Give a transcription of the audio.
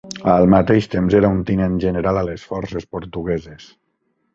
Al mateix temps era un tinent general a les forces portugueses.